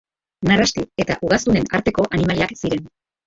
Narrasti eta ugaztunen arteko animaliak ziren.